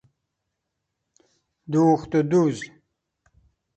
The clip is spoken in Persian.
دوخت و دوز